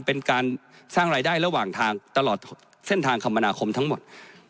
เป็นการสร้างรายได้ระหว่างทางตลอดเส้นทางคมนาคมทั้งหมด